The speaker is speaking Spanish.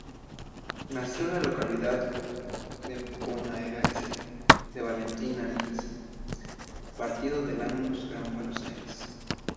Nació en la localidad bonaerense de Valentín Alsina, partido de Lanús, Gran Buenos Aires.